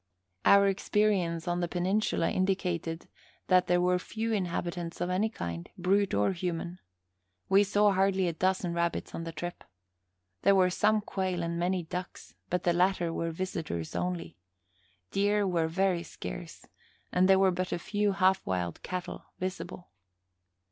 Our experience of the peninsula indicated that there were few inhabitants of any kind, brute or human. We saw hardly a dozen rabbits on the trip. There were some quail and many ducks, but the latter were visitors only. Deer were very scarce, and there were but a few half wild cattle visible.